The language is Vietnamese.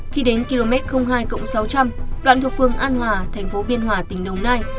khi đến km hai sáu trăm linh đoạn thuộc phường an hòa thành phố biên hòa tỉnh đồng nai